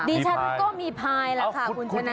ดิฉันก็มีภายล่ะค่ะคุณชนะ